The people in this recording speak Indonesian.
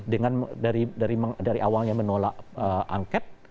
dengan dari awalnya menolak angket